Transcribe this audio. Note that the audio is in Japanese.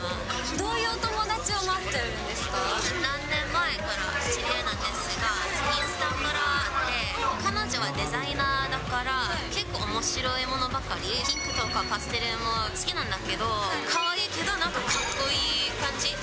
どういうお友達を待ってるん３年前から知り合いなんですが、インスタからつながって、彼女はデザイナーだから、結構おもしろいものばかり、ピンクとかパステルも好きなんだけど、かわいいけど、なんかかっこいい感じ。